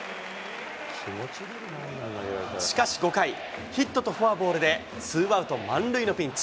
しかし５回、ヒットとフォアボールでツーアウト満塁のピンチ。